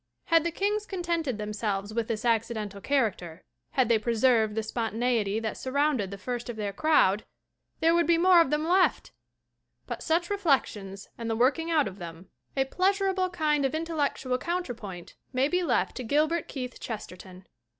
Had the kings contented themselves with this accidental character, had they preserved the spontaneity that surrounded the first of their crowd, there would be more of them left! But such reflections and the working out of them, a i 2 THE . WQME'N 'tyHO MAKE OUR NOVELS pleasurable kind of intellectual counterpoint, may be left to Gilbert Keith Chesterton.